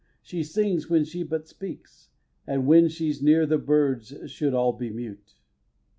She sings when she but speaks; And when she's near the birds should all be mute.